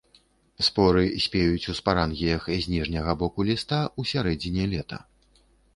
Споры спеюць ў спарангіях з ніжняга боку ліста ў сярэдзіне лета.